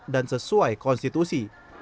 dan sesuai konstitusi